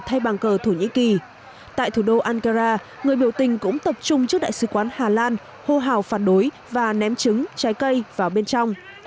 tại thủ đô ankara người biểu tình cũng tập trung trước đại sứ quán hà lan hô hào phản đối và ném trứng trái cây vào bên trong